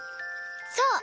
そう！